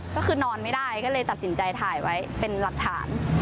ก็คือนอนไม่ได้ก็เลยตัดสินใจถ่ายไว้เป็นหลักฐาน